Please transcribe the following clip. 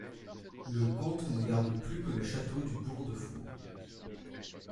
Le comte ne garde plus que le château du Bourg-de-Four.